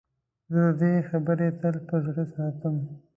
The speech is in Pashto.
زه د ده خبرې تل په زړه ساتم.